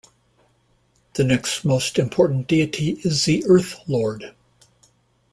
The next most important deity is the Earth Lord.